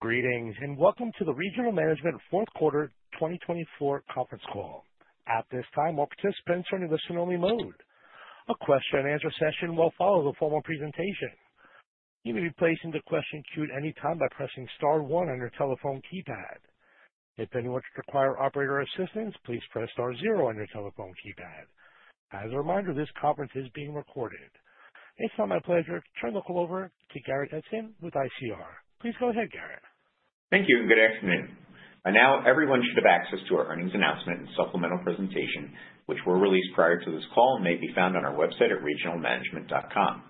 Greetings and welcome to the Regional Management Fourth Quarter 2024 conference call. At this time, all participants are in a listen-only mode. A question-and-answer session will follow the formal presentation. You may be placed into question queue at any time by pressing star one on your telephone keypad. If anyone should require operator assistance, please press star zero on your telephone keypad. As a reminder, this conference is being recorded. It's now my pleasure to turn the call over to Garrett Edson with ICR. Please go ahead, Garrett. Thank you, and good afternoon. By now, everyone should have access to our earnings announcement and supplemental presentation, which were released prior to this call and may be found on our website at regionalmanagement.com.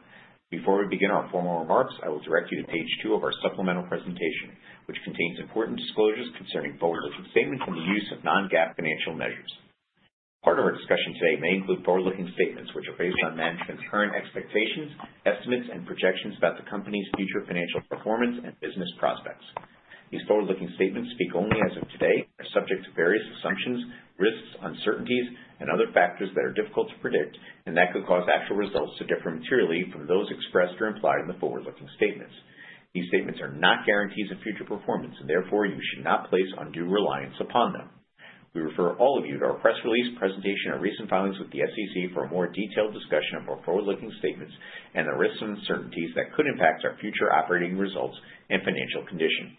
Before we begin our formal remarks, I will direct you to page two of our supplemental presentation, which contains important disclosures concerning forward-looking statements and the use of non-GAAP financial measures. Part of our discussion today may include forward-looking statements, which are based on management's current expectations, estimates, and projections about the company's future financial performance and business prospects. These forward-looking statements speak only as of today and are subject to various assumptions, risks, uncertainties, and other factors that are difficult to predict, and that could cause actual results to differ materially from those expressed or implied in the forward-looking statements. These statements are not guarantees of future performance, and therefore, you should not place undue reliance upon them. We refer all of you to our press release, presentation, or recent filings with the SEC for a more detailed discussion of our forward-looking statements and the risks and uncertainties that could impact our future operating results and financial condition.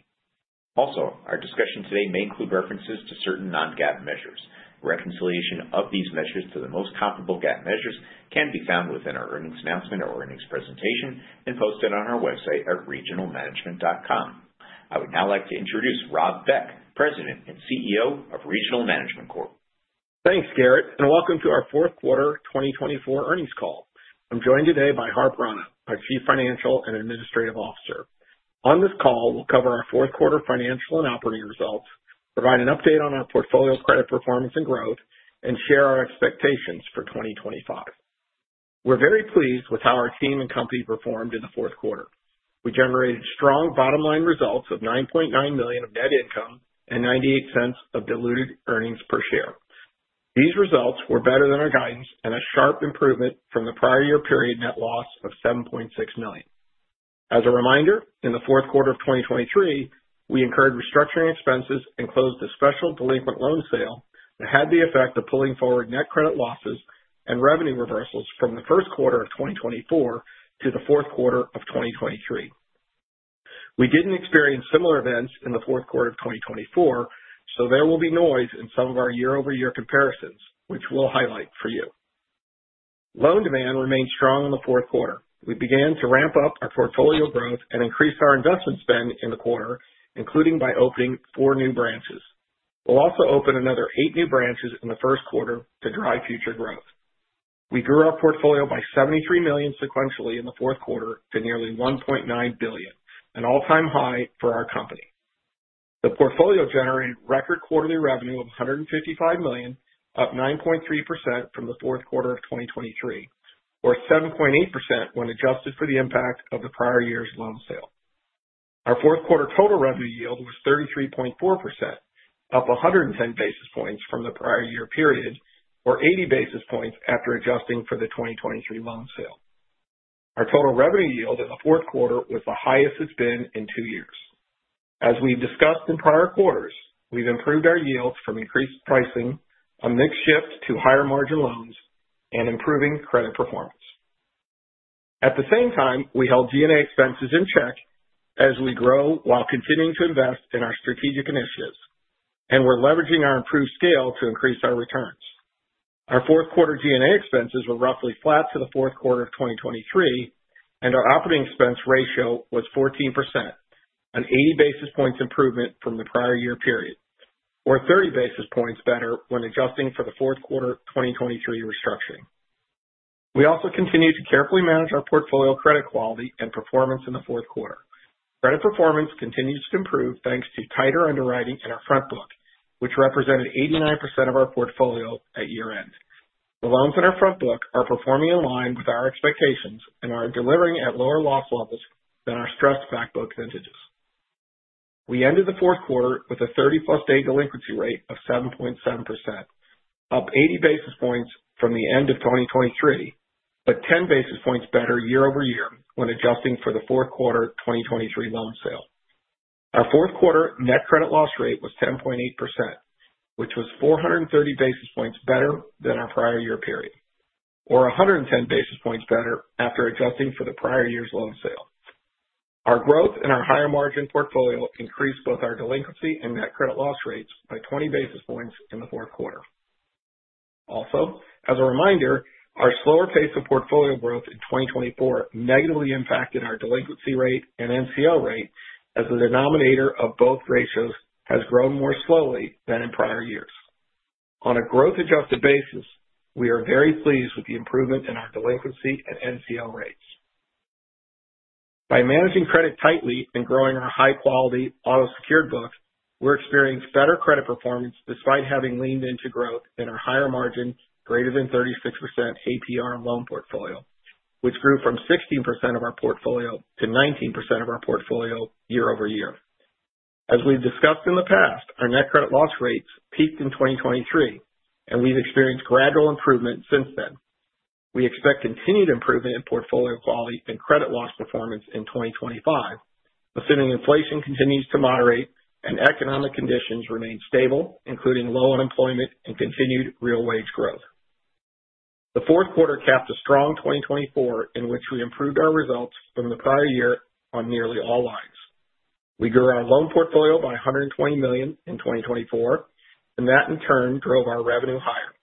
Also, our discussion today may include references to certain non-GAAP measures. Reconciliation of these measures to the most comparable GAAP measures can be found within our earnings announcement or earnings presentation and posted on our website at regionalmanagement.com. I would now like to introduce Rob Beck, President and CEO of Regional Management Corp. Thanks, Garrett, and welcome to our Fourth Quarter 2024 earnings call. I'm joined today by Harp Rana, our Chief Financial and Administrative Officer. On this call, we'll cover our Fourth Quarter financial and operating results, provide an update on our portfolio credit performance and growth, and share our expectations for 2025. We're very pleased with how our team and company performed in the fourth quarter. We generated strong bottom-line results of $9.9 million of net income and $0.98 of diluted earnings per share. These results were better than our guidance and a sharp improvement from the prior year period net loss of $7.6 million. As a reminder, in the fourth quarter of 2023, we incurred restructuring expenses and closed a special delinquent loan sale that had the effect of pulling forward net credit losses and revenue reversals from the first quarter of 2024 to the fourth quarter of 2023. We didn't experience similar events in the fourth quarter of 2024, so there will be noise in some of our year-over-year comparisons, which we'll highlight for you. Loan demand remained strong in the fourth quarter. We began to ramp up our portfolio growth and increased our investment spend in the quarter, including by opening four new branches. We'll also open another eight new branches in the first quarter to drive future growth. We grew our portfolio by $73 million sequentially in the fourth quarter to nearly $1.9 billion, an all-time high for our company. The portfolio generated record quarterly revenue of $155 million, up 9.3% from the fourth quarter of 2023, or 7.8% when adjusted for the impact of the prior year's loan sale. Our fourth quarter total revenue yield was 33.4%, up 110 basis points from the prior year period, or 80 basis points after adjusting for the 2023 loan sale. Our total revenue yield in the fourth quarter was the highest it's been in two years. As we've discussed in prior quarters, we've improved our yields from increased pricing, a mixed shift to higher margin loans, and improving credit performance. At the same time, we held G&A expenses in check as we grow while continuing to invest in our strategic initiatives, and we're leveraging our improved scale to increase our returns. Our fourth quarter G&A expenses were roughly flat to the fourth quarter of 2023, and our operating expense ratio was 14%, an 80 basis points improvement from the prior year period, or 30 basis points better when adjusting for the fourth quarter 2023 restructuring. We also continue to carefully manage our portfolio credit quality and performance in the fourth quarter. Credit performance continues to improve thanks to tighter underwriting in our front book, which represented 89% of our portfolio at year-end. The loans in our front book are performing in line with our expectations and are delivering at lower loss levels than our stressed back book vintages. We ended the fourth quarter with a 30-plus-day delinquency rate of 7.7%, up 80 basis points from the end of 2023, but 10 basis points better year-over-year when adjusting for the fourth quarter 2023 loan sale. Our fourth quarter net credit loss rate was 10.8%, which was 430 basis points better than our prior year period, or 110 basis points better after adjusting for the prior year's loan sale. Our growth and our higher margin portfolio increased both our delinquency and net credit loss rates by 20 basis points in the fourth quarter. Also, as a reminder, our slower pace of portfolio growth in 2024 negatively impacted our delinquency rate and NCL rate as the denominator of both ratios has grown more slowly than in prior years. On a growth-adjusted basis, we are very pleased with the improvement in our delinquency and NCL rates. By managing credit tightly and growing our high-quality auto-secured book, we're experiencing better credit performance despite having leaned into growth in our higher-margin, greater-than-36% APR loan portfolio, which grew from 16% of our portfolio to 19% of our portfolio year-over-year. As we've discussed in the past, our net credit loss rates peaked in 2023, and we've experienced gradual improvement since then. We expect continued improvement in portfolio quality and credit loss performance in 2025, assuming inflation continues to moderate and economic conditions remain stable, including low unemployment and continued real wage growth. The fourth quarter capped a strong 2024 in which we improved our results from the prior year on nearly all lines. We grew our loan portfolio by $120 million in 2024, and that in turn drove our revenue higher.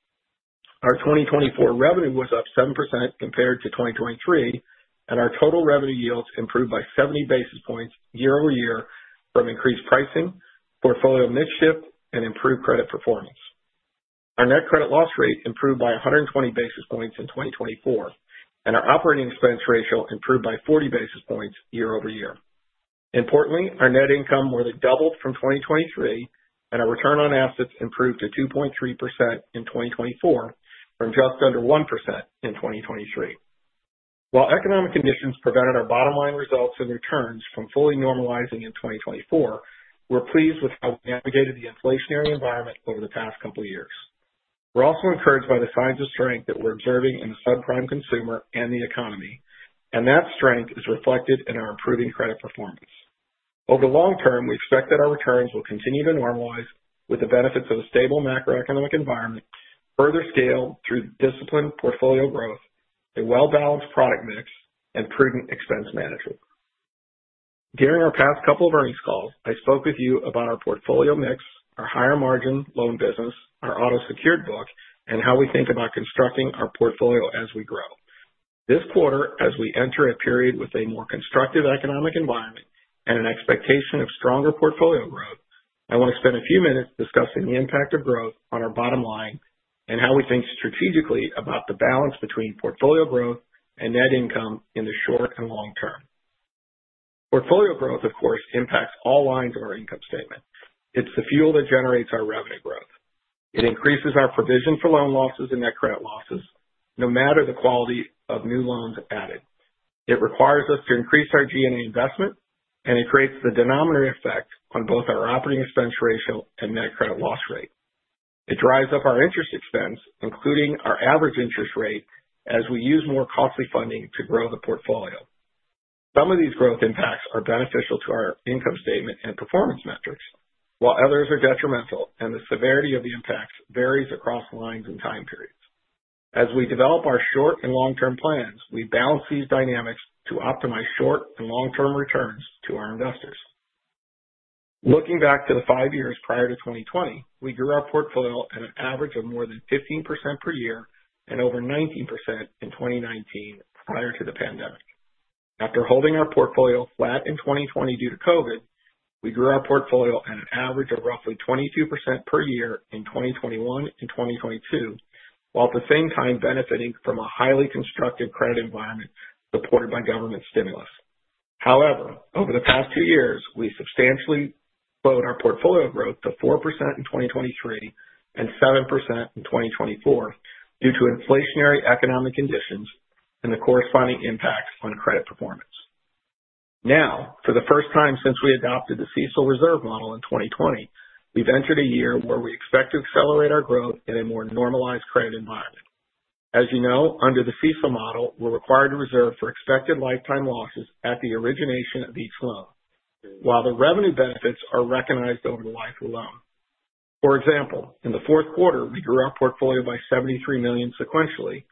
Our 2024 revenue was up 7% compared to 2023, and our total revenue yields improved by 70 basis points year-over-year from increased pricing, portfolio mix shift, and improved credit performance. Our net credit loss rate improved by 120 basis points in 2024, and our operating expense ratio improved by 40 basis points year-over-year. Importantly, our net income more than doubled from 2023, and our return on assets improved to 2.3% in 2024 from just under 1% in 2023. While economic conditions prevented our bottom-line results and returns from fully normalizing in 2024, we're pleased with how we navigated the inflationary environment over the past couple of years. We're also encouraged by the signs of strength that we're observing in the subprime consumer and the economy, and that strength is reflected in our improving credit performance. Over the long term, we expect that our returns will continue to normalize with the benefits of a stable macroeconomic environment, further scale through disciplined portfolio growth, a well-balanced product mix, and prudent expense management. During our past couple of earnings calls, I spoke with you about our portfolio mix, our higher-margin loan business, our auto-secured book, and how we think about constructing our portfolio as we grow. This quarter, as we enter a period with a more constructive economic environment and an expectation of stronger portfolio growth, I want to spend a few minutes discussing the impact of growth on our bottom line and how we think strategically about the balance between portfolio growth and net income in the short and long term. Portfolio growth, of course, impacts all lines of our income statement. It's the fuel that generates our revenue growth. It increases our provision for loan losses and net credit losses, no matter the quality of new loans added. It requires us to increase our G&A investment, and it creates the denominator effect on both our operating expense ratio and net credit loss rate. It drives up our interest expense, including our average interest rate, as we use more costly funding to grow the portfolio. Some of these growth impacts are beneficial to our income statement and performance metrics, while others are detrimental, and the severity of the impacts varies across lines and time periods. As we develop our short and long-term plans, we balance these dynamics to optimize short and long-term returns to our investors. Looking back to the five years prior to 2020, we grew our portfolio at an average of more than 15% per year and over 19% in 2019 prior to the pandemic. After holding our portfolio flat in 2020 due to COVID, we grew our portfolio at an average of roughly 22% per year in 2021 and 2022, while at the same time benefiting from a highly constructive credit environment supported by government stimulus. However, over the past two years, we substantially slowed our portfolio growth to 4% in 2023 and 7% in 2024 due to inflationary economic conditions and the corresponding impacts on credit performance. Now, for the first time since we adopted the CECL reserve model in 2020, we've entered a year where we expect to accelerate our growth in a more normalized credit environment. As you know, under the CECL model, we're required to reserve for expected lifetime losses at the origination of each loan, while the revenue benefits are recognized over the life of the loan. For example, in the fourth quarter, we grew our portfolio by $73 million sequentially,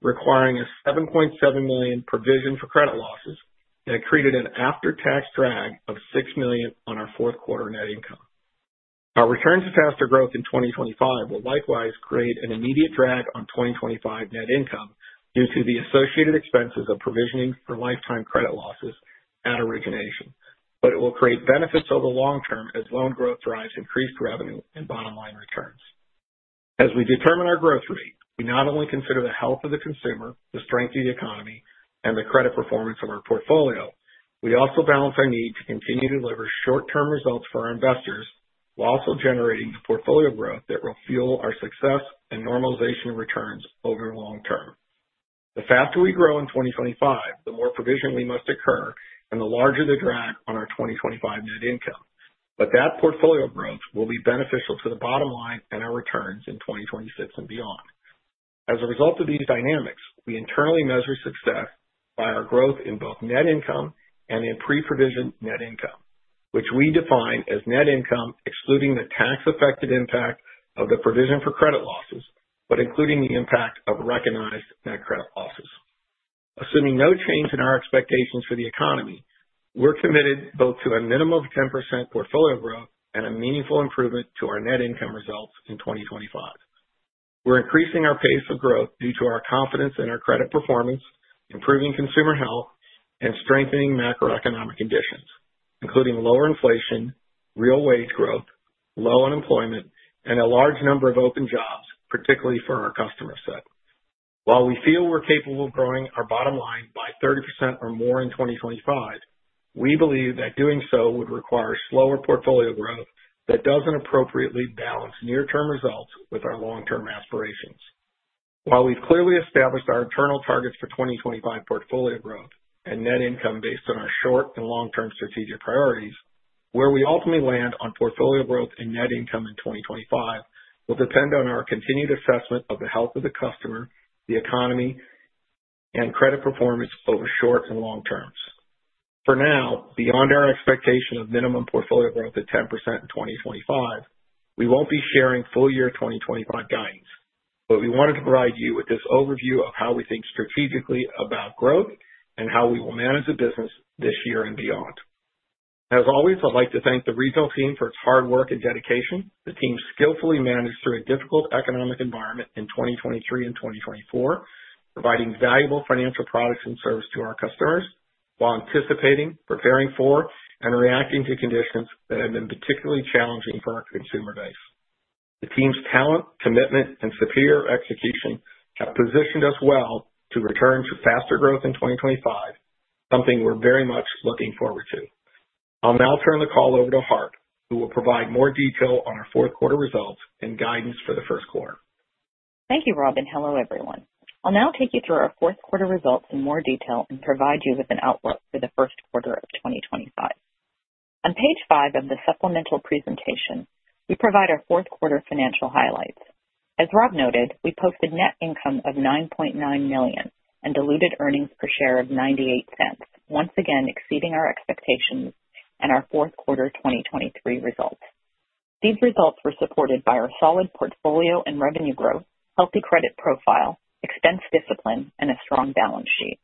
requiring a $7.7 million provision for credit losses that created an after-tax drag of $6 million on our fourth quarter net income. Our returns attached to growth in 2025 will likewise create an immediate drag on 2025 net income due to the associated expenses of provisioning for lifetime credit losses at origination, but it will create benefits over the long term as loan growth drives increased revenue and bottom-line returns. As we determine our growth rate, we not only consider the health of the consumer, the strength of the economy, and the credit performance of our portfolio, we also balance our need to continue to deliver short-term results for our investors while also generating the portfolio growth that will fuel our success and normalization of returns over the long term. The faster we grow in 2025, the more provision we must incur and the larger the drag on our 2025 net income, but that portfolio growth will be beneficial to the bottom line and our returns in 2026 and beyond. As a result of these dynamics, we internally measure success by our growth in both net income and in pre-provision net income, which we define as net income excluding the tax-affected impact of the provision for credit losses, but including the impact of recognized net credit losses. Assuming no change in our expectations for the economy, we're committed both to a minimum of 10% portfolio growth and a meaningful improvement to our net income results in 2025. We're increasing our pace of growth due to our confidence in our credit performance, improving consumer health, and strengthening macroeconomic conditions, including lower inflation, real wage growth, low unemployment, and a large number of open jobs, particularly for our customer set. While we feel we're capable of growing our bottom line by 30% or more in 2025, we believe that doing so would require slower portfolio growth that doesn't appropriately balance near-term results with our long-term aspirations. While we've clearly established our internal targets for 2025 portfolio growth and net income based on our short and long-term strategic priorities, where we ultimately land on portfolio growth and net income in 2025 will depend on our continued assessment of the health of the customer, the economy, and credit performance over short and long terms. For now, beyond our expectation of minimum portfolio growth at 10% in 2025, we won't be sharing full-year 2025 guidance, but we wanted to provide you with this overview of how we think strategically about growth and how we will manage the business this year and beyond. As always, I'd like to thank the regional team for its hard work and dedication. The team skillfully managed through a difficult economic environment in 2023 and 2024, providing valuable financial products and services to our customers while anticipating, preparing for, and reacting to conditions that have been particularly challenging for our consumer base. The team's talent, commitment, and superior execution have positioned us well to return to faster growth in 2025, something we're very much looking forward to. I'll now turn the call over to Harp, who will provide more detail on our fourth quarter results and guidance for the first quarter. Thank you, Rob, and hello, everyone. I'll now take you through our fourth quarter results in more detail and provide you with an outlook for the first quarter of 2025. On page five of the supplemental presentation, we provide our fourth quarter financial highlights. As Rob noted, we posted net income of $9.9 million and diluted earnings per share of $0.98, once again exceeding our expectations and our fourth quarter 2023 results. These results were supported by our solid portfolio and revenue growth, healthy credit profile, expense discipline, and a strong balance sheet.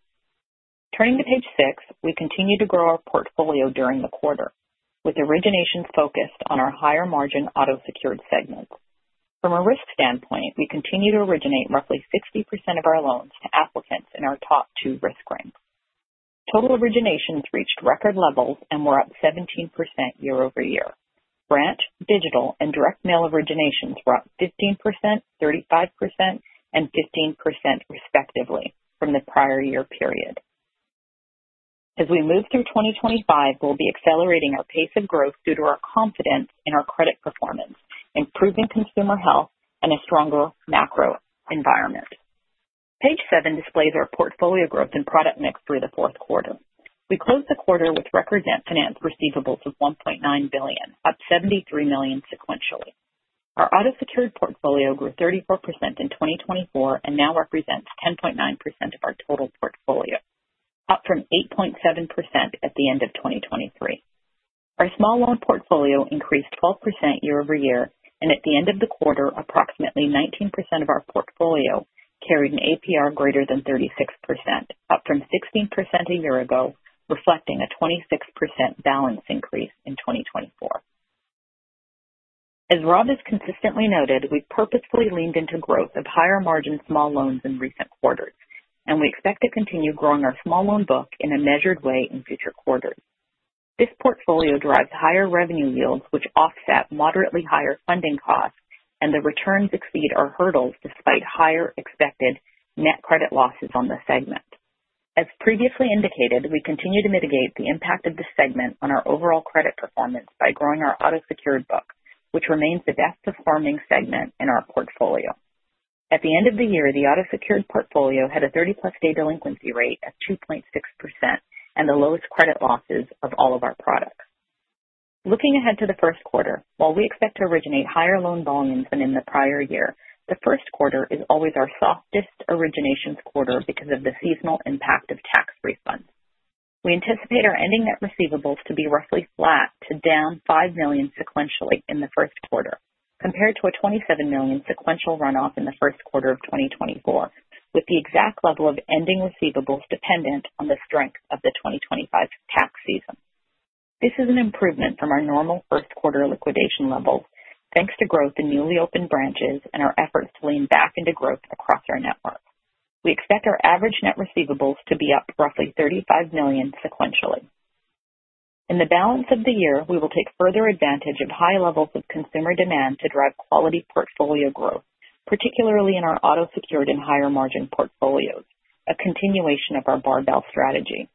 Turning to page six, we continue to grow our portfolio during the quarter, with origination focused on our higher-margin auto-secured segments. From a risk standpoint, we continue to originate roughly 60% of our loans to applicants in our top two risk ranges. Total originations reached record levels and were up 17% year-over-year. Branch, digital, and direct mail originations were up 15%, 35%, and 15%, respectively, from the prior year period. As we move through 2025, we'll be accelerating our pace of growth due to our confidence in our credit performance, improving consumer health, and a stronger macro environment. Page seven displays our portfolio growth and product mix through the fourth quarter. We closed the quarter with record net finance receivables of $1.9 billion, up $73 million sequentially. Our auto-secured portfolio grew 34% in 2024 and now represents 10.9% of our total portfolio, up from 8.7% at the end of 2023. Our small loan portfolio increased 12% year-over-year, and at the end of the quarter, approximately 19% of our portfolio carried an APR greater than 36%, up from 16% a year ago, reflecting a 26% balance increase in 2024. As Rob has consistently noted, we've purposefully leaned into growth of higher-margin small loans in recent quarters, and we expect to continue growing our small loan book in a measured way in future quarters. This portfolio drives higher revenue yields, which offset moderately higher funding costs, and the returns exceed our hurdles despite higher expected net credit losses on the segment. As previously indicated, we continue to mitigate the impact of the segment on our overall credit performance by growing our auto-secured book, which remains the best-performing segment in our portfolio. At the end of the year, the auto-secured portfolio had a 30-plus day delinquency rate of 2.6% and the lowest credit losses of all of our products. Looking ahead to the first quarter, while we expect to originate higher loan volumes than in the prior year, the first quarter is always our softest originations quarter because of the seasonal impact of tax refunds. We anticipate our ending net receivables to be roughly flat to down $5 million sequentially in the first quarter, compared to a $27 million sequential run-off in the first quarter of 2024, with the exact level of ending receivables dependent on the strength of the 2025 tax season. This is an improvement from our normal first-quarter liquidation levels, thanks to growth in newly opened branches and our efforts to lean back into growth across our network. We expect our average net receivables to be up roughly $35 million sequentially. In the balance of the year, we will take further advantage of high levels of consumer demand to drive quality portfolio growth, particularly in our auto-secured and higher-margin portfolios, a continuation of our barbell strategy.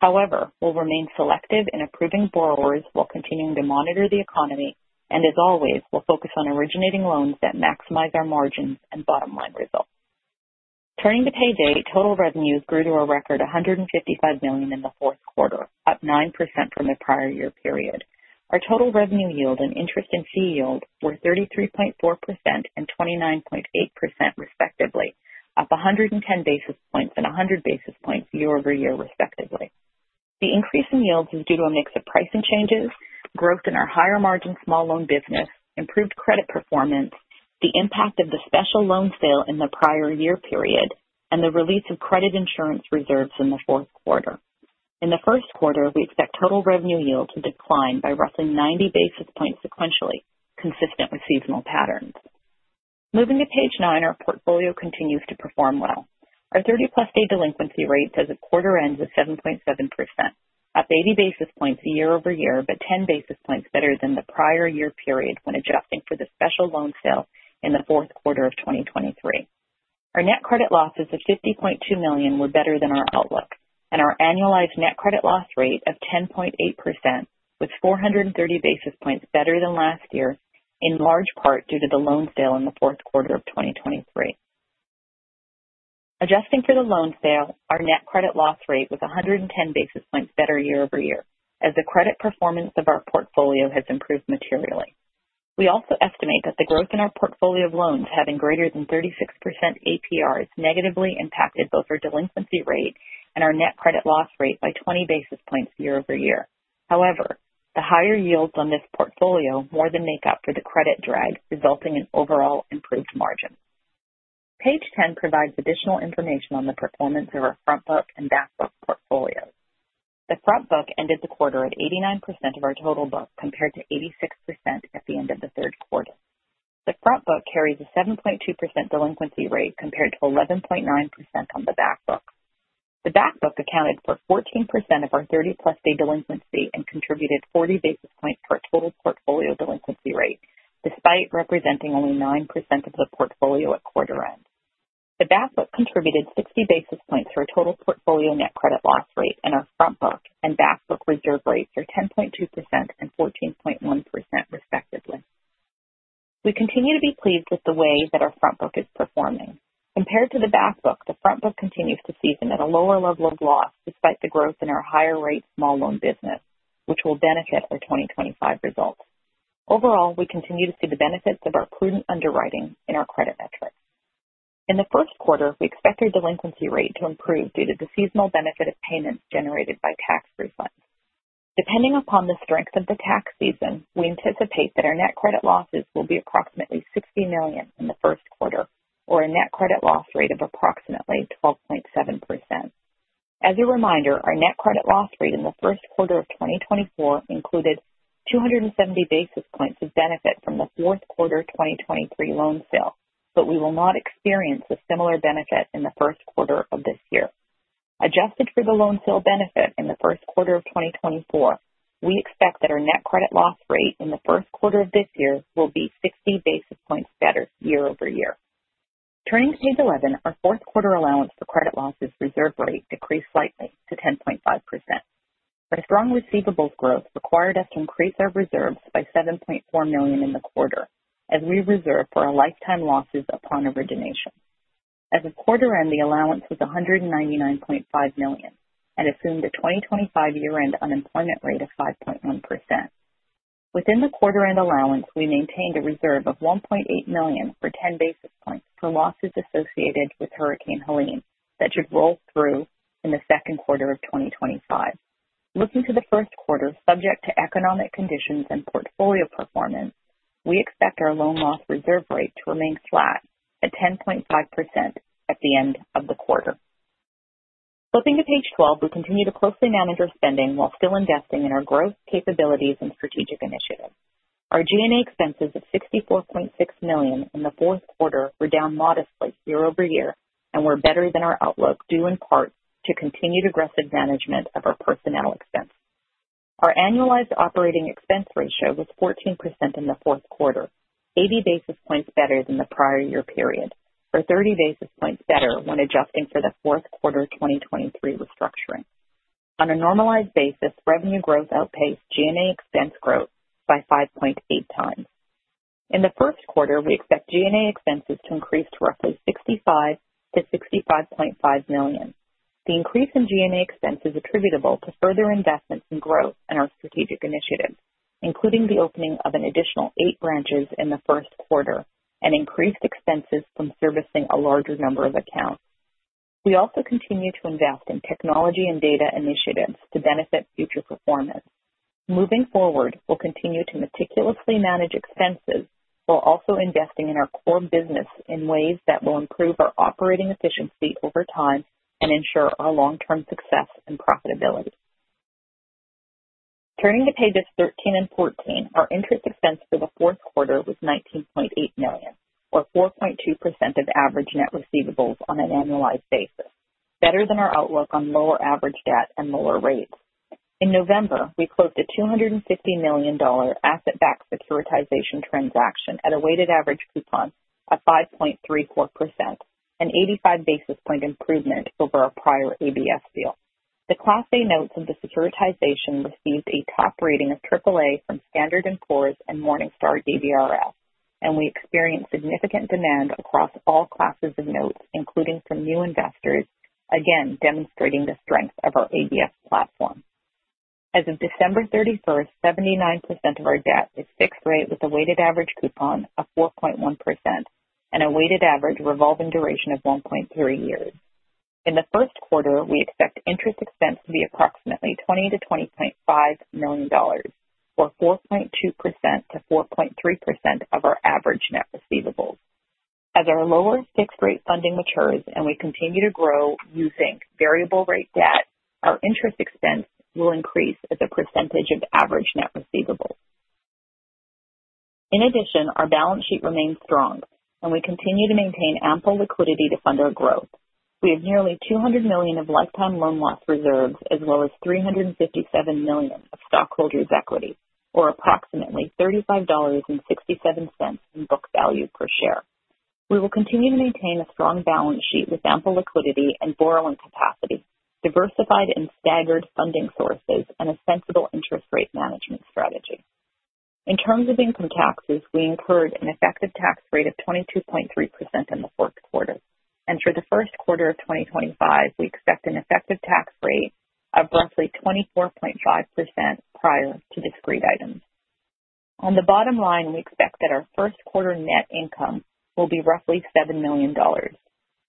However, we'll remain selective in approving borrowers while continuing to monitor the economy, and as always, we'll focus on originating loans that maximize our margins and bottom-line results. Turning to page eight, total revenues grew to a record $155 million in the fourth quarter, up 9% from the prior year period. Our total revenue yield and interest and fee yield were 33.4% and 29.8%, respectively, up 110 basis points and 100 basis points year-over-year, respectively. The increase in yields is due to a mix of pricing changes, growth in our higher-margin small loan business, improved credit performance, the impact of the special loan sale in the prior year period, and the release of credit insurance reserves in the fourth quarter. In the first quarter, we expect total revenue yield to decline by roughly 90 basis points sequentially, consistent with seasonal patterns. Moving to page nine, our portfolio continues to perform well. Our 30-plus-day delinquency rate as the quarter ends at 7.7%, up 80 basis points year-over-year, but 10 basis points better than the prior year period when adjusting for the special loan sale in the fourth quarter of 2023. Our net credit losses of $50.2 million were better than our outlook, and our annualized net credit loss rate of 10.8% was 430 basis points better than last year, in large part due to the loan sale in the fourth quarter of 2023. Adjusting for the loan sale, our net credit loss rate was 110 basis points better year-over-year, as the credit performance of our portfolio has improved materially. We also estimate that the growth in our portfolio of loans, having greater than 36% APRs, negatively impacted both our delinquency rate and our net credit loss rate by 20 basis points year-over-year. However, the higher yields on this portfolio more than make up for the credit drag, resulting in overall improved margins. Page 10 provides additional information on the performance of our front book and back book portfolios. The front book ended the quarter at 89% of our total book, compared to 86% at the end of the third quarter. The front book carries a 7.2% delinquency rate compared to 11.9% on the back book. The back book accounted for 14% of our 30-plus day delinquency and contributed 40 basis points to our total portfolio delinquency rate, despite representing only 9% of the portfolio at quarter end. The back book contributed 60 basis points to our total portfolio net credit loss rate, and our front book and back book reserve rates are 10.2% and 14.1%, respectively. We continue to be pleased with the way that our front book is performing. Compared to the back book, the front book continues to season at a lower level of loss, despite the growth in our higher-rate small loan business, which will benefit our 2025 results. Overall, we continue to see the benefits of our prudent underwriting in our credit metrics. In the first quarter, we expect our delinquency rate to improve due to the seasonal benefit of payments generated by tax refunds. Depending upon the strength of the tax season, we anticipate that our net credit losses will be approximately $60 million in the first quarter, or a net credit loss rate of approximately 12.7%. As a reminder, our net credit loss rate in the first quarter of 2024 included 270 basis points of benefit from the fourth quarter 2023 loan sale, but we will not experience a similar benefit in the first quarter of this year. Adjusted for the loan sale benefit in the first quarter of 2024, we expect that our net credit loss rate in the first quarter of this year will be 60 basis points better year-over-year. Turning to page 11, our fourth quarter allowance for credit losses reserve rate decreased slightly to 10.5%. Our strong receivables growth required us to increase our reserves by $7.4 million in the quarter, as we reserve for our lifetime losses upon origination. At the quarter end, the allowance was $199.5 million and assumed a 2025 year-end unemployment rate of 5.1%. Within the quarter-end allowance, we maintained a reserve of $1.8 million for 10 basis points for losses associated with Hurricane Helene that should roll through in the second quarter of 2025. Looking to the first quarter, subject to economic conditions and portfolio performance, we expect our loan loss reserve rate to remain flat at 10.5% at the end of the quarter. Flipping to page 12, we continue to closely manage our spending while still investing in our growth capabilities and strategic initiatives. Our G&A expenses of $64.6 million in the fourth quarter were down modestly year-over-year and were better than our outlook due in part to continued aggressive management of our personnel expenses. Our annualized operating expense ratio was 14% in the fourth quarter, 80 basis points better than the prior year period, or 30 basis points better when adjusting for the fourth quarter 2023 restructuring. On a normalized basis, revenue growth outpaced G&A expense growth by 5.8x. In the first quarter, we expect G&A expenses to increase to roughly $65 million-$65.5 million. The increase in G&A expenses is attributable to further investments in growth and our strategic initiatives, including the opening of an additional eight branches in the first quarter and increased expenses from servicing a larger number of accounts. We also continue to invest in technology and data initiatives to benefit future performance. Moving forward, we'll continue to meticulously manage expenses while also investing in our core business in ways that will improve our operating efficiency over time and ensure our long-term success and profitability. Turning to pages 13 and 14, our interest expense for the fourth quarter was $19.8 million, or 4.2% of average net receivables on an annualized basis, better than our outlook on lower average debt and lower rates. In November, we closed a $250 million asset-backed securitization transaction at a weighted average coupon of 5.34%, an 85 basis points improvement over our prior ABS deal. The Class A notes of the securitization received a top rating of AAA from Standard & Poor's and Morningstar DBRS, and we experienced significant demand across all classes of notes, including from new investors, again demonstrating the strength of our ABS platform. As of December 31st, 79% of our debt is fixed rate with a weighted average coupon of 4.1% and a weighted average revolving duration of 1.3 years. In the first quarter, we expect interest expense to be approximately $20 million-$20.5 million, or 4.2%-4.3% of our average net receivables. As our lower fixed-rate funding matures and we continue to grow using variable-rate debt, our interest expense will increase as a percentage of average net receivables. In addition, our balance sheet remains strong, and we continue to maintain ample liquidity to fund our growth. We have nearly $200 million of lifetime loan loss reserves, as well as $357 million of stockholders' equity, or approximately $35.67 in book value per share. We will continue to maintain a strong balance sheet with ample liquidity and borrowing capacity, diversified and staggered funding sources, and a sensible interest rate management strategy. In terms of income taxes, we incurred an effective tax rate of 22.3% in the fourth quarter, and for the first quarter of 2025, we expect an effective tax rate of roughly 24.5% prior to discrete items. On the bottom line, we expect that our first quarter net income will be roughly $7 million.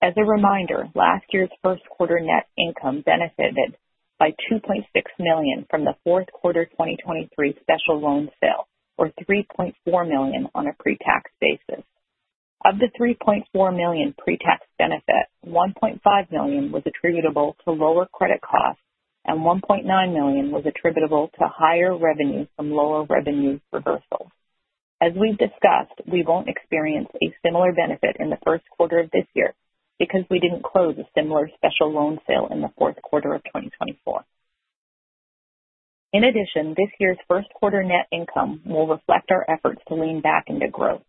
As a reminder, last year's first quarter net income benefited by $2.6 million from the fourth quarter 2023 special loan sale, or $3.4 million on a pre-tax basis. Of the $3.4 million pre-tax benefit, $1.5 million was attributable to lower credit costs, and $1.9 million was attributable to higher revenue from lower revenue reversals. As we've discussed, we won't experience a similar benefit in the first quarter of this year because we didn't close a similar special loan sale in the fourth quarter of 2024. In addition, this year's first quarter net income will reflect our efforts to lean back into growth.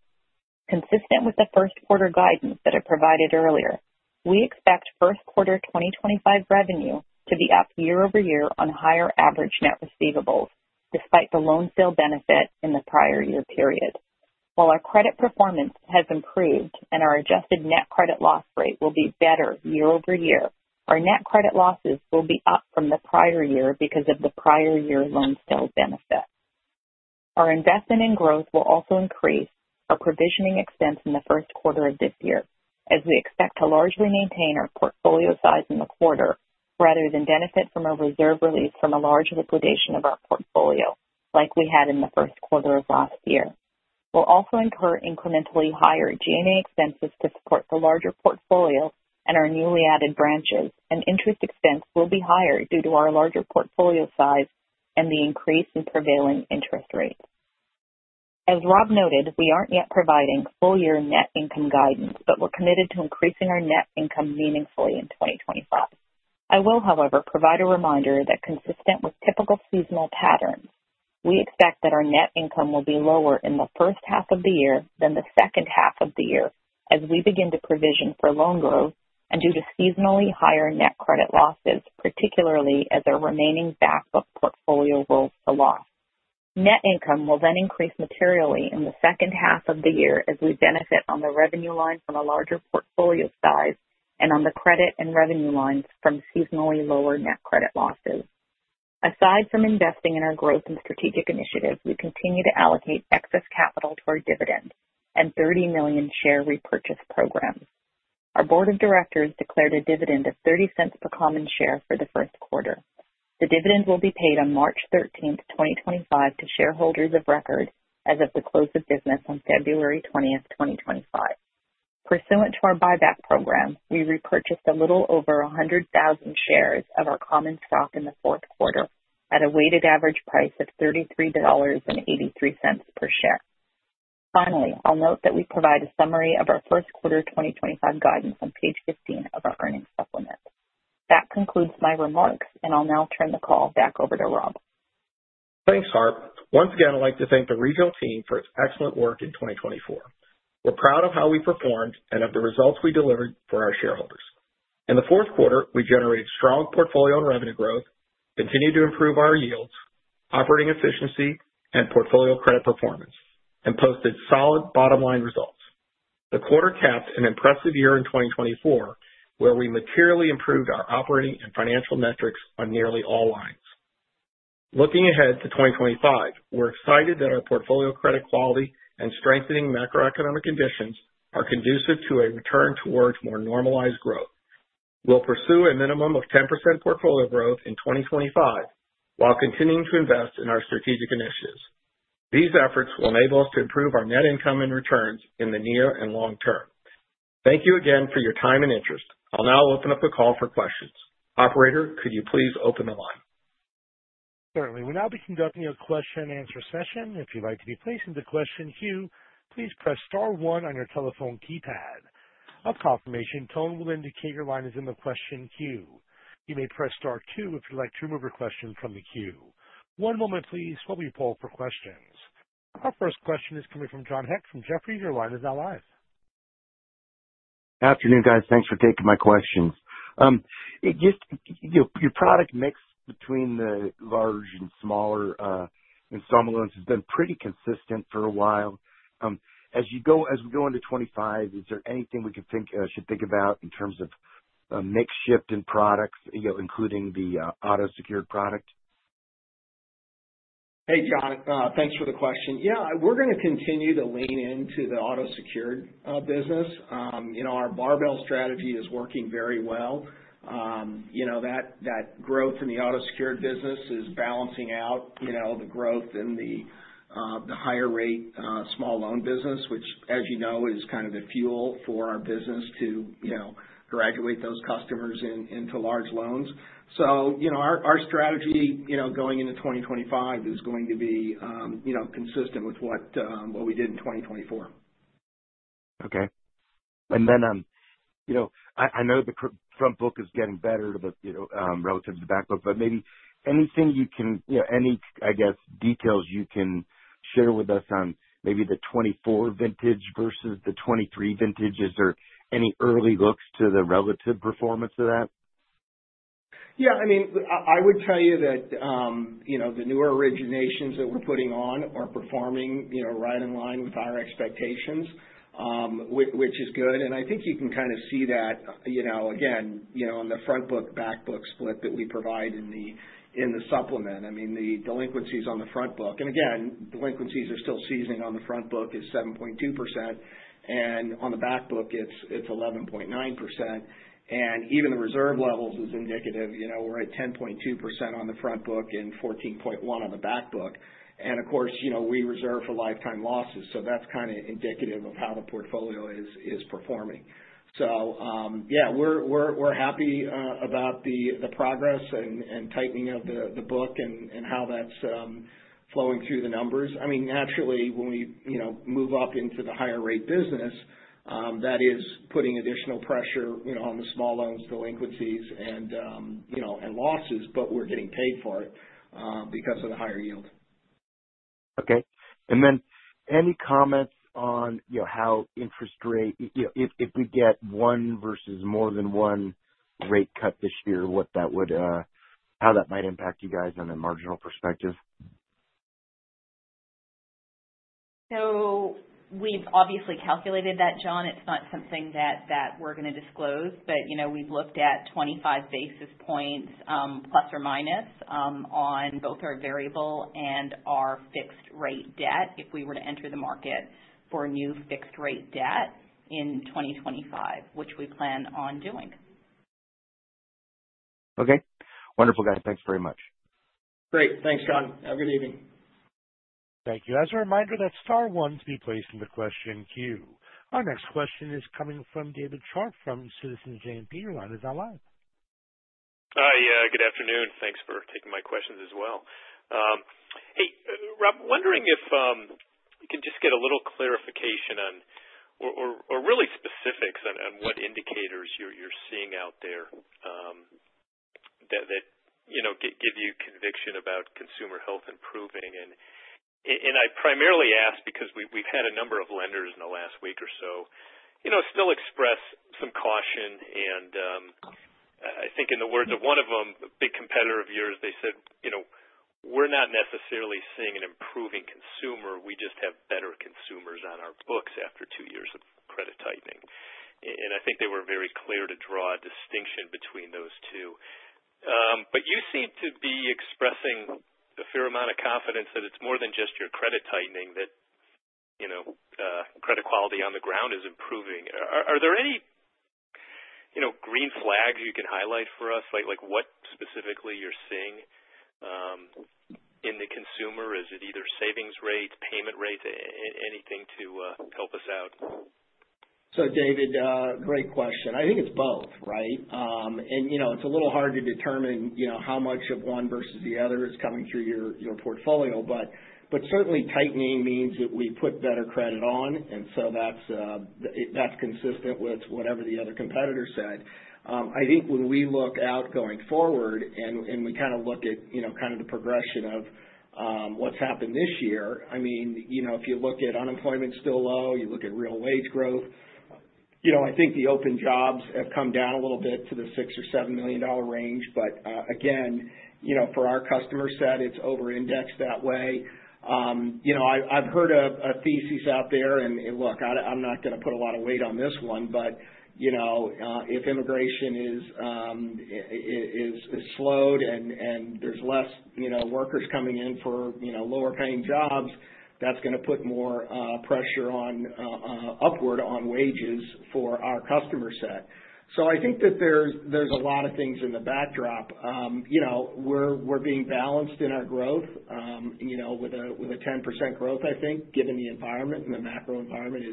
Consistent with the first quarter guidance that I provided earlier, we expect first quarter 2025 revenue to be up year-over-year on higher average net receivables, despite the loan sale benefit in the prior year period. While our credit performance has improved and our adjusted net credit loss rate will be better year-over-year, our net credit losses will be up from the prior year because of the prior year loan sale benefit. Our investment in growth will also increase our provisioning expense in the first quarter of this year, as we expect to largely maintain our portfolio size in the quarter rather than benefit from a reserve release from a large liquidation of our portfolio, like we had in the first quarter of last year. We'll also incur incrementally higher G&A expenses to support the larger portfolio and our newly added branches, and interest expense will be higher due to our larger portfolio size and the increase in prevailing interest rates. As Rob noted, we aren't yet providing full-year net income guidance, but we're committed to increasing our net income meaningfully in 2025. I will, however, provide a reminder that consistent with typical seasonal patterns, we expect that our net income will be lower in the first half of the year than the second half of the year as we begin to provision for loan growth and due to seasonally higher net credit losses, particularly as our remaining back book portfolio rolls to loss. Net income will then increase materially in the second half of the year as we benefit on the revenue line from a larger portfolio size and on the credit and revenue lines from seasonally lower net credit losses. Aside from investing in our growth and strategic initiatives, we continue to allocate excess capital to our dividend and $30 million share repurchase programs. Our board of directors declared a dividend of $0.30 per common share for the first quarter. The dividend will be paid on March 13, 2025, to shareholders of record as of the close of business on February 20, 2025. Pursuant to our buyback program, we repurchased a little over 100,000 shares of our common stock in the fourth quarter at a weighted average price of $33.83 per share. Finally, I'll note that we provide a summary of our first quarter 2025 guidance on page 15 of our earnings supplement. That concludes my remarks, and I'll now turn the call back over to Rob. Thanks, Harp. Once again, I'd like to thank the regional team for its excellent work in 2024. We're proud of how we performed and of the results we delivered for our shareholders. In the fourth quarter, we generated strong portfolio and revenue growth, continued to improve our yields, operating efficiency, and portfolio credit performance, and posted solid bottom-line results. The quarter capped an impressive year in 2024, where we materially improved our operating and financial metrics on nearly all lines. Looking ahead to 2025, we're excited that our portfolio credit quality and strengthening macroeconomic conditions are conducive to a return towards more normalized growth. We'll pursue a minimum of 10% portfolio growth in 2025 while continuing to invest in our strategic initiatives. These efforts will enable us to improve our net income and returns in the near and long term. Thank you again for your time and interest. I'll now open up the call for questions. Operator, could you please open the line? Certainly. We'll now be conducting a question-and-answer session. If you'd like to be placed into question queue, please press star one on your telephone keypad. A confirmation tone will indicate your line is in the question queue. You may press star two if you'd like to remove your question from the queue. One moment, please. While we poll for questions, our first question is coming from John Hecht from Jefferies. Your line is now live. Afternoon, guys. Thanks for taking my questions. It just, your product mix between the large and small installment loans has been pretty consistent for a while. As you go, as we go into 2025, is there anything we could think, should think about in terms of mix shift in products, you know, including the auto-secured product? Hey, John, thanks for the question. Yeah, we're gonna continue to lean into the auto-secured business. You know, our barbell strategy is working very well. You know, that growth in the auto-secured business is balancing out, you know, the growth and the higher-rate small loan business, which, as you know, is kind of the fuel for our business to, you know, graduate those customers into large loans. So, you know, our strategy, you know, going into 2025 is going to be, you know, consistent with what we did in 2024. Okay. And then, you know, I know the front book is getting better, too, relative to the back book, but maybe anything you can, you know, any details you can share with us on maybe the 2024 vintage versus the 2023 vintages or any early looks to the relative performance of that? Yeah, I mean, I would tell you that, you know, the newer originations that we're putting on are performing, you know, right in line with our expectations, which is good, and I think you can kind of see that, you know, again, you know, on the front book, back book split that we provide in the supplement. I mean, the delinquencies on the front book, and again, delinquencies are still seasoning on the front book is 7.2%, and on the back book, it's 11.9%, and even the reserve levels is indicative, you know, we're at 10.2% on the front book and 14.1% on the back book, and of course, you know, we reserve for lifetime losses, so that's kind of indicative of how the portfolio is performing. So, yeah, we're happy about the progress and tightening of the book and how that's flowing through the numbers. I mean, naturally, when we you know move up into the higher rate business, that is putting additional pressure you know on the small loans delinquencies and you know and losses, but we're getting paid for it because of the higher yield. Okay. And then any comments on you know how interest rate you know if we get one versus more than one rate cut this year, how that might impact you guys on a marginal perspective? So we've obviously calculated that, John, it's not something that we're gonna disclose, but, you know, we've looked at 25 basis points, plus or minus, on both our variable and our fixed-rate debt if we were to enter the market for new fixed-rate debt in 2025, which we plan on doing. Okay. Wonderful, guys. Thanks very much. Great. Thanks, John. Have a good evening. Thank you. As a reminder, that star one's been placed in the question queue. Our next question is coming from David Scharf from Citizens JMP. Is that live? Hi, good afternoon. Thanks for taking my questions as well. Hey, Rob, wondering if we can just get a little clarification on or really specifics on what indicators you're seeing out there, that you know give you conviction about consumer health improving. And I primarily ask because we've had a number of lenders in the last week or so, you know, still express some caution. And I think in the words of one of them, a big competitor of yours, they said, you know, we're not necessarily seeing an improving consumer. We just have better consumers on our books after two years of credit tightening. And I think they were very clear to draw a distinction between those two, but you seem to be expressing a fair amount of confidence that it's more than just your credit tightening, that, you know, credit quality on the ground is improving. Are there any, you know, green flags you can highlight for us? Like what specifically you're seeing in the consumer? Is it either savings rates, payment rates, anything to help us out? So, David, great question. I think it's both, right? And, you know, it's a little hard to determine, you know, how much of one versus the other is coming through your, your portfolio, but, but certainly tightening means that we put better credit on. And so that's, that's consistent with whatever the other competitor said. I think when we look out going forward and, and we kind of look at, you know, kind of the progression of what's happened this year, I mean, you know, if you look at unemployment still low, you look at real wage growth, you know, I think the open jobs have come down a little bit to the $6 million-$7 million range. But, again, you know, for our customer set, it's over-indexed that way. You know, I've heard a thesis out there and look, I'm not gonna put a lot of weight on this one, but you know, if immigration is slowed and there's less, you know, workers coming in for, you know, lower-paying jobs, that's gonna put more pressure upward on wages for our customer set. So I think that there's a lot of things in the backdrop. You know, we're being balanced in our growth, you know, with a 10% growth, I think, given the environment and the macro environment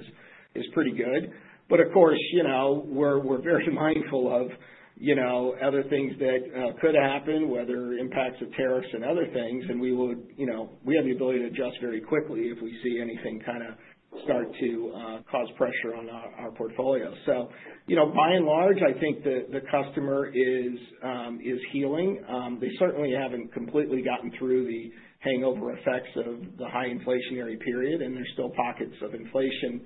is pretty good. But of course, you know, we're very mindful of, you know, other things that could happen, whether impacts of tariffs and other things. We would, you know, we have the ability to adjust very quickly if we see anything kind of start to cause pressure on our portfolio. So, you know, by and large, I think the customer is healing. They certainly haven't completely gotten through the hangover effects of the high inflationary period, and there's still pockets of inflation.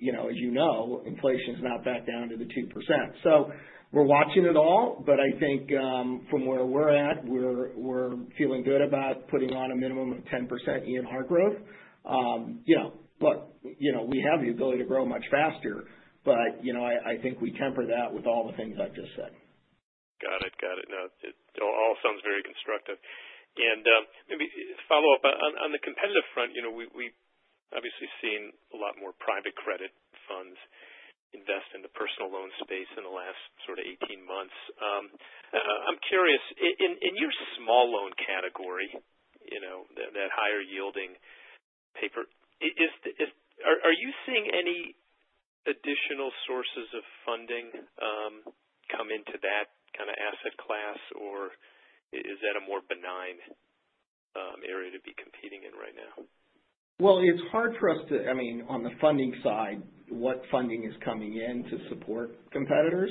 You know, as you know, inflation's not back down to the 2%. So we're watching it all, but I think, from where we're at, we're feeling good about putting on a minimum of 10% in our growth. You know, but, you know, we have the ability to grow much faster, but, you know, I think we temper that with all the things I've just said. Got it. Got it. No, it all sounds very constructive. And, maybe follow-up on the competitive front, you know, we obviously seen a lot more private credit funds invest in the personal loan space in the last sort of 18 months. I'm curious, in your small loan category, you know, that higher yielding paper, are you seeing any additional sources of funding come into that kind of asset class, or is that a more benign area to be competing in right now? Well, it's hard for us to, I mean, on the funding side, what funding is coming in to support competitors.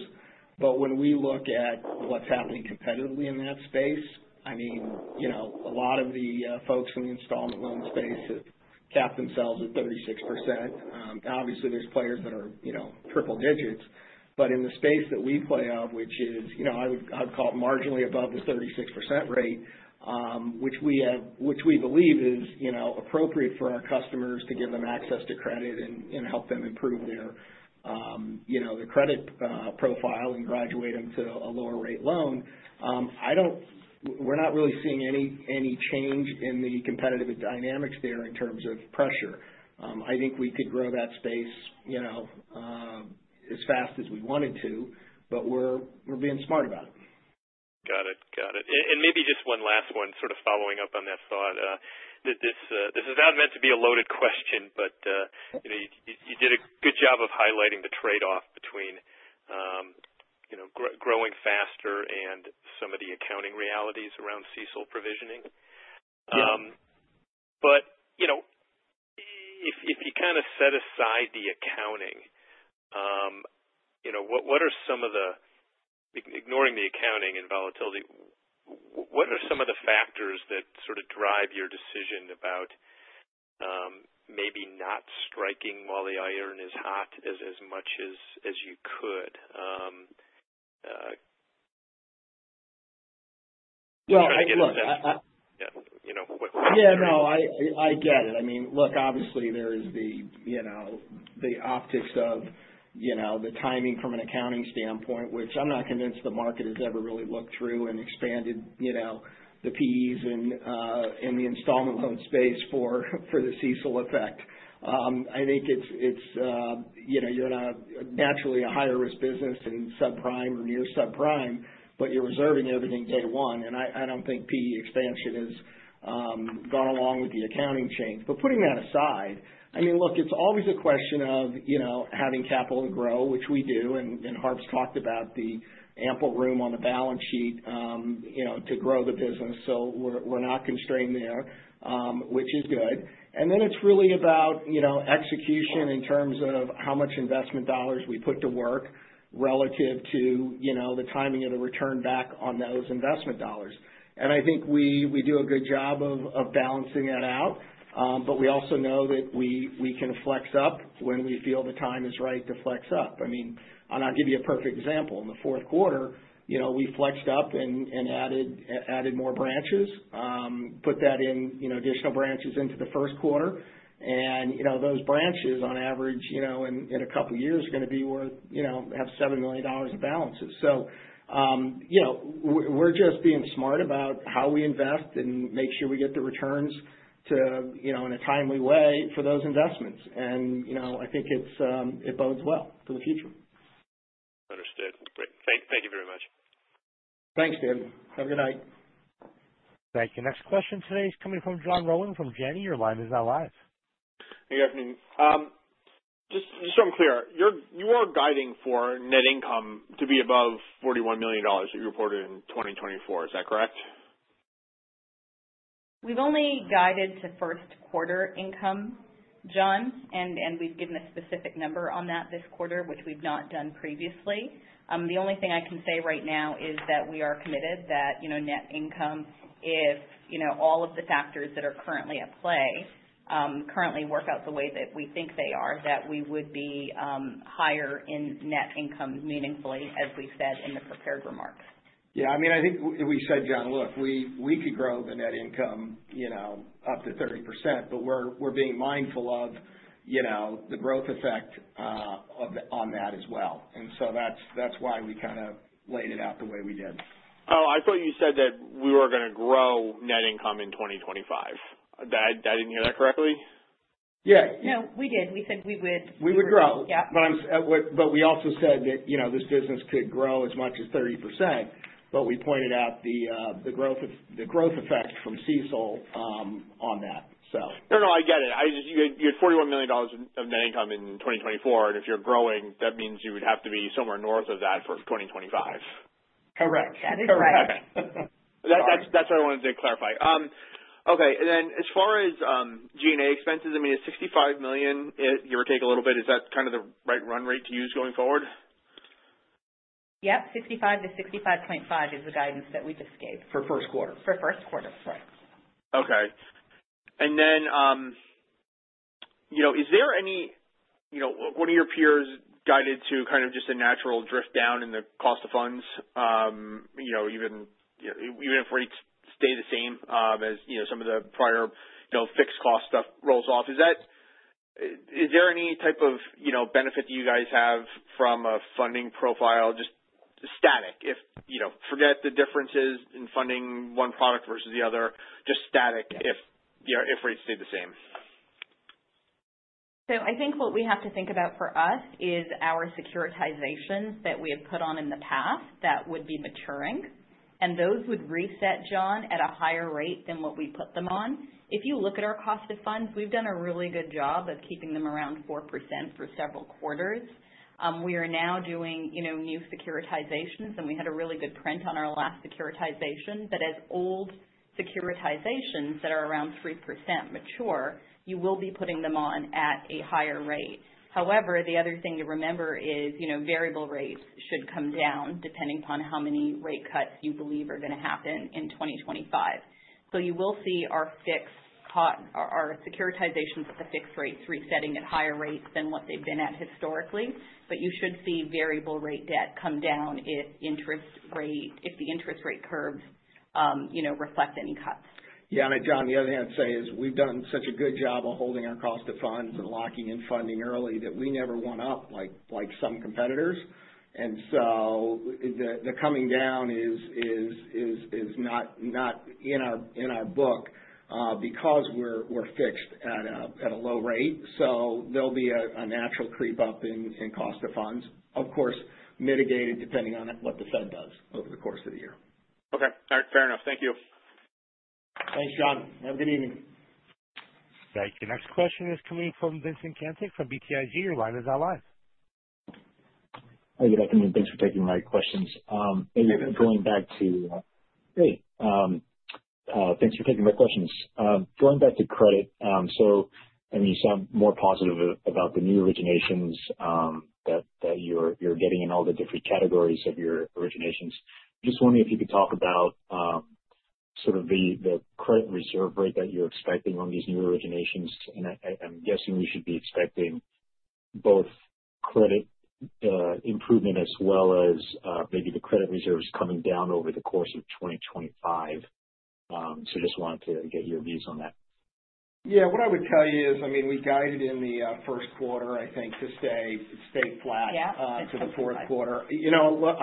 But when we look at what's happening competitively in that space, I mean, you know, a lot of the folks in the installment loan space have capped themselves at 36%. Obviously, there's players that are, you know, triple digits. But in the space that we play in, which is, you know, I would call it marginally above the 36% rate, which we have, which we believe is, you know, appropriate for our customers to give them access to credit and help them improve their, you know, their credit profile and graduate them to a lower rate loan. We're not really seeing any change in the competitive dynamics there in terms of pressure. I think we could grow that space, you know, as fast as we wanted to, but we're being smart about it. Got it. Got it. And maybe just one last one, sort of following up on that thought, that this is not meant to be a loaded question, but you know, you did a good job of highlighting the trade-off between, you know, growing faster and some of the accounting realities around CECL provisioning. But you know, if you kind of set aside the accounting, you know, what are some of the, ignoring the accounting and volatility, what are some of the factors that sort of drive your decision about, maybe not striking while the iron is hot as much as you could? Yeah, I get it. Yeah. You know what. Yeah, no, I get it. I mean, look, obviously, there is the, you know, the optics of, you know, the timing from an accounting standpoint, which I'm not convinced the market has ever really looked through and expanded, you know, the P/E's and, in the installment loan space for the CECL effect. I think it's, you know, you're not naturally a higher risk business in subprime or near subprime, but you're reserving everything day one. And I don't think P/E expansion has gone along with the accounting change. But putting that aside, I mean, look, it's always a question of, you know, having capital to grow, which we do. And Harp's talked about the ample room on the balance sheet, you know, to grow the business. So we're not constrained there, which is good. And then it's really about, you know, execution in terms of how much investment dollars we put to work relative to, you know, the timing of the return back on those investment dollars. And I think we, we do a good job of, of balancing that out. But we also know that we, we can flex up when we feel the time is right to flex up. I mean, I'll give you a perfect example. In the fourth quarter, you know, we flexed up and added more branches, put that in, you know, additional branches into the first quarter. And, you know, those branches on average, you know, in a couple of years are gonna be worth, you know, have $7 million of balances. So, you know, we're just being smart about how we invest and make sure we get the returns to, you know, in a timely way for those investments. And, you know, I think it bodes well for the future. Understood. Great. Thank you very much. Thanks, David. Have a good night. Thank you. Next question today is coming from John Rowan from Janney. Your line is now live. Hey, good afternoon. Just so I'm clear, you are guiding for net income to be above $41 million that you reported in 2024. Is that correct? We've only guided to first quarter income, John, and we've given a specific number on that this quarter, which we've not done previously. The only thing I can say right now is that we are committed that, you know, net income, if, you know, all of the factors that are currently at play currently work out the way that we think they are, that we would be higher in net income meaningfully, as we said in the prepared remarks. Yeah. I mean, I think we said, John, look, we, we could grow the net income, you know, up to 30%, but we're, we're being mindful of, you know, the growth effect of the on that as well. And so that's, that's why we kind of laid it out the way we did. Oh, I thought you said that we were gonna grow net income in 2025. Did I, I didn't hear that correctly? Yeah. No, we did. We said we would. We would grow. Yeah. But we also said that, you know, this business could grow as much as 30%, but we pointed out the growth effect from CECL on that, so. No, I get it. I just you had $41 million of net income in 2024. And if you're growing, that means you would have to be somewhere north of that for 2025. Correct. That is correct. Okay. That's what I wanted to clarify. Okay. And then as far as G&A expenses, I mean, is $65 million, give or take a little bit, kind of the right run rate to use going forward? Yep. $65 million-$65.5 million is the guidance that we just gave for first quarter. For first quarter, right. Okay. And then, you know, is there any, you know, one of your peers guided to kind of just a natural drift down in the cost of funds, you know, even, even if rates stay the same, as, you know, some of the prior, you know, fixed cost stuff rolls off? Is that, is there any type of, you know, benefit that you guys have from a funding profile, just static, if, you know, forget the differences in funding one product versus the other, just static if, you know, if rates stay the same? So I think what we have to think about for us is our securitization that we have put on in the past that would be maturing. And those would reset, John, at a higher rate than what we put them on. If you look at our cost of funds, we've done a really good job of keeping them around 4% for several quarters. We are now doing, you know, new securitizations, and we had a really good print on our last securitization. But as old securitizations that are around 3% mature, you will be putting them on at a higher rate. However, the other thing to remember is, you know, variable rates should come down depending upon how many rate cuts you believe are gonna happen in 2025. So you will see our fixed cost, our securitizations at the fixed rates resetting at higher rates than what they've been at historically. But you should see variable rate debt come down if the interest rate curves, you know, reflect any cuts. Yeah. And I, John, the other thing I'd say is we've done such a good job of holding our cost of funds and locking in funding early that we never went up like some competitors. And so the coming down is not in our book, because we're fixed at a low rate. So there'll be a natural creep up in cost of funds, of course, mitigated depending on what the Fed does over the course of the year. Okay. All right. Fair enough. Thank you. Thanks, John. Have a good evening. Thank you. Next question is coming from Vincent Caintic from BTIG. Your line is now live. Hey, good afternoon. Thanks for taking my questions. Going back to, hey, thanks for taking my questions. Going back to credit, so, I mean, you sound more positive about the new originations that you're getting in all the different categories of your originations. Just wondering if you could talk about, sort of, the credit reserve rate that you're expecting on these new originations. And I'm guessing we should be expecting both credit improvement as well as, maybe, the credit reserves coming down over the course of 2025. So just wanted to get your views on that. Yeah. What I would tell you is, I mean, we guided in the first quarter, I think, to stay flat to the fourth quarter. You know, what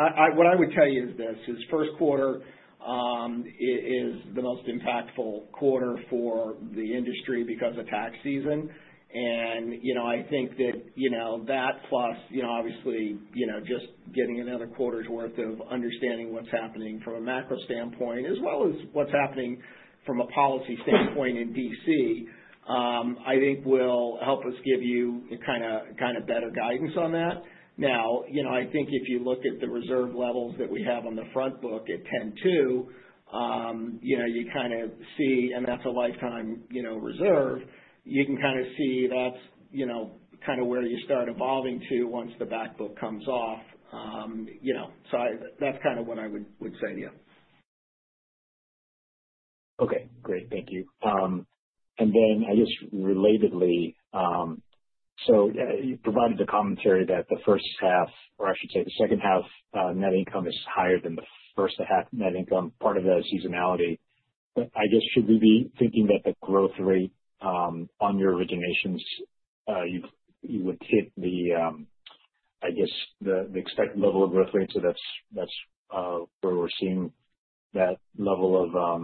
I would tell you is this is first quarter, is the most impactful quarter for the industry because of tax season. You know, I think that, you know, that plus, you know, obviously, you know, just getting another quarter's worth of understanding what's happening from a macro standpoint as well as what's happening from a policy standpoint in D.C., I think will help us give you kind of, kind of better guidance on that. Now, you know, I think if you look at the reserve levels that we have on the front book at 10.2%, you know, you kind of see, and that's a lifetime, you know, reserve. You can kind of see that's, you know, kind of where you start evolving to once the back book comes off, you know. So I, that's kind of what I would, would say to you. Okay. Great. Thank you. and then I guess relatedly, so you provided the commentary that the first half, or I should say the second half, net income is higher than the first half net income, part of the seasonality. But I guess should we be thinking that the growth rate, on your originations, you would hit the, I guess the expected level of growth rate. So that's where we're seeing that level of,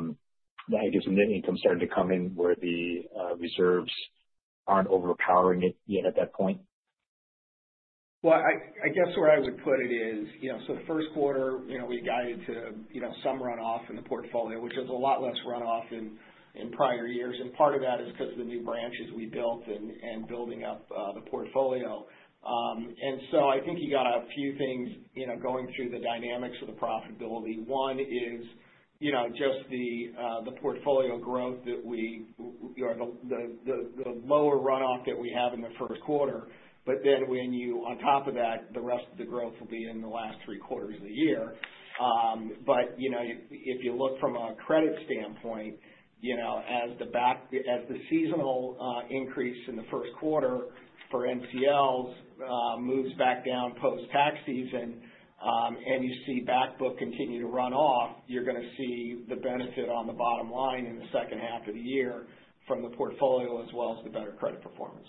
I guess net income starting to come in where the reserves aren't overpowering it yet at that point? Well, I guess where I would put it is, you know, so the first quarter, you know, we guided to, you know, some runoff in the portfolio, which is a lot less runoff than prior years. And part of that is 'cause of the new branches we built and building up the portfolio. And so I think you got a few things, you know, going through the dynamics of the profitability. One is, you know, just the lower runoff that we, you know, have in the first quarter. But then when you, on top of that, the rest of the growth will be in the last three quarters of the year. But, you know, if you look from a credit standpoint, you know, as the seasonal increase in the first quarter for NCLs moves back down post-tax season, and you see back book continue to run off, you're gonna see the benefit on the bottom line in the second half of the year from the portfolio as well as the better credit performance.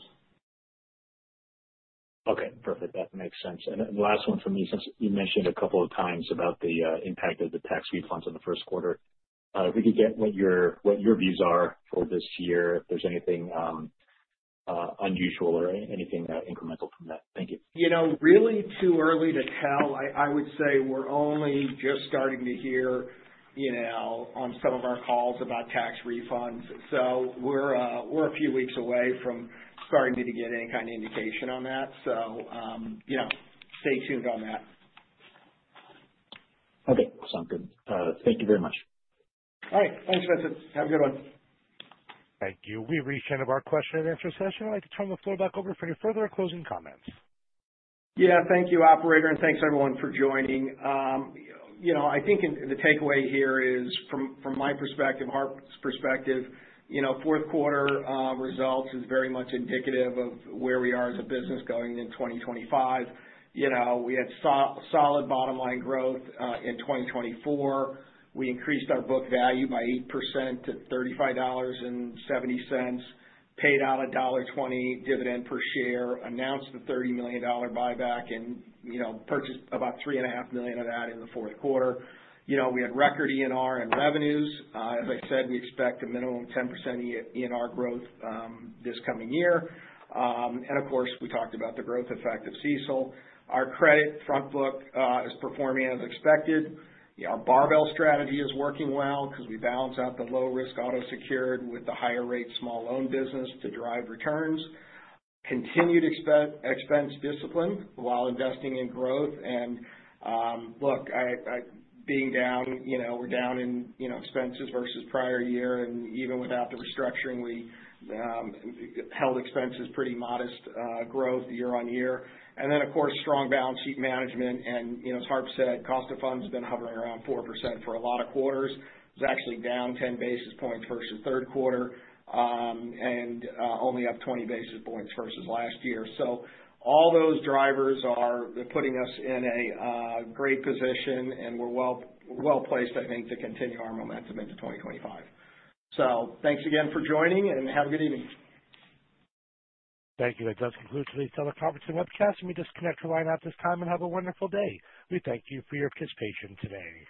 Okay. Perfect. That makes sense. And then last one for me, since you mentioned a couple of times about the impact of the tax refunds in the first quarter, if we could get what your, what your views are for this year, if there's anything unusual or anything incremental from that? Thank you. You know, really too early to tell. I, I would say we're only just starting to hear, you know, on some of our calls about tax refunds. So we're, we're a few weeks away from starting to get any kind of indication on that. So, you know, stay tuned on that. Okay. Sounds good. Thank you very much. All right. Thanks, Vincent. Have a good one. Thank you. We've reached the end of our question and answer session. I'd like to turn the floor back over for any further closing comments. Yeah. Thank you, Operator. And thanks everyone for joining. You know, I think in the takeaway here is from my perspective, Harp's perspective, you know, fourth quarter results is very much indicative of where we are as a business going in 2025. You know, we had solid bottom line growth in 2024. We increased our book value by 8% to $35.70, paid out a $1.20 dividend per share, announced the $30 million buyback, and, you know, purchased about 3.5 million of that in the fourth quarter. You know, we had record ENR and revenues. As I said, we expect a minimum 10% ENR growth this coming year. And of course, we talked about the growth effect of CECL. Our credit front book is performing as expected. You know, our barbell strategy is working well 'cause we balance out the low-risk auto-secured with the higher-rate small loan business to drive returns. Continued expense discipline while investing in growth. And look, being down, you know, we're down in, you know, expenses versus prior year. Even without the restructuring, we held expenses pretty modest growth year on year. And then, of course, strong balance sheet management. And you know, as Harp said, cost of funds has been hovering around 4% for a lot of quarters. It's actually down 10 basis points versus third quarter, and only up 20 basis points versus last year. So all those drivers are putting us in a great position, and we're well, well placed, I think, to continue our momentum into 2025. So thanks again for joining, and have a good evening. Thank you. That does conclude today's teleconference and webcast, and we disconnect your line at this time and have a wonderful day. We thank you for your participation today.